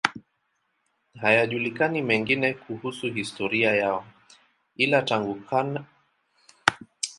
Hayajulikani mengine kuhusu historia yao, ila tangu kale wanaheshimiwa kama watakatifu.